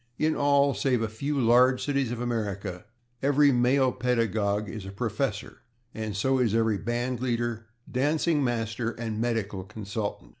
In all save a few large cities of America every male pedagogue is a professor, and so is every band leader, dancing master and medical consultant.